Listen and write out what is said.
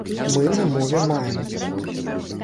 Мы на мове маем.